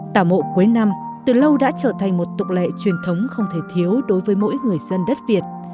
tàu mộ cuối năm từ lâu đã trở thành một tục lệ truyền thống không thể thiếu đối với mỗi người dân đất việt